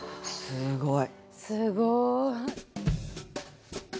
すごい。